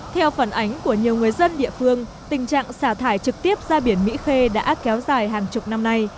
theo phản ánh của nhiều người dân địa phương tình trạng xả thải trực tiếp ra biển mỹ khê đã kéo dài hàng chục năm nay